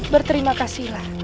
berterima kasih lah